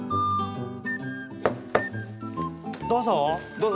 どうぞ。